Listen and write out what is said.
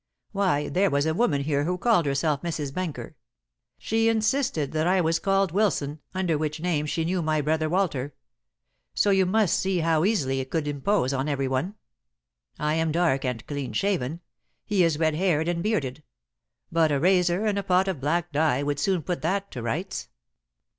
Why, there was a woman here who called herself Mrs. Benker. She insisted that I was called Wilson, under which name she knew my brother Walter. So you must see how easily he could impose on every one. I am dark and clean shaven; he is red haired and bearded. But a razor and a pot of black dye would soon put that to rights.